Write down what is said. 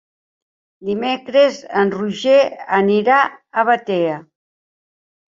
Dimecres en Roger anirà a Batea.